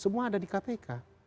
semua ada di kpk